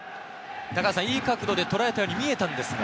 いい角度でとらえたように見えたんですが。